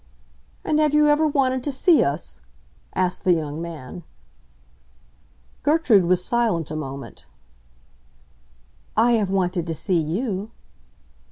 "And have you ever wanted to see us?" asked the young man. Gertrude was silent a moment. "I have wanted to see you."